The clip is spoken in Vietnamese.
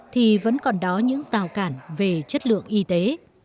thì vẫn còn đó những rào cản về chất lượng y tế